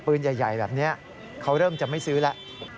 ปืนใหญ่แบบนี้เขาเริ่มจะไม่ซื้อแล้ว